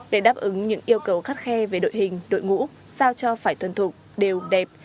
để đáp ứng những yêu cầu khắt khe về đội hình đội ngũ sao cho phải tuân thục đều đẹp